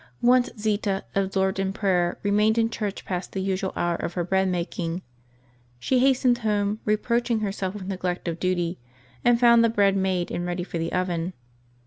Once Zita, absorbed in prayer, remained in church past the usual hour of her bread making. She hastened home, reproaching herself with neglect of duty, and found the bread made and ready for the oven.